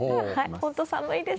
本当、寒いです。